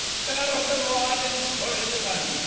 Spare the rod and spoil the fun.